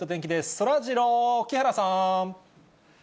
そらジロー、木原さん。